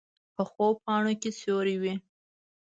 پخو پاڼو کې سیوری وي